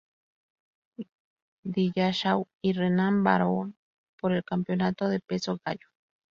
Dillashaw y Renan Barão por el campeonato de peso gallo.